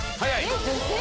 えっ女性？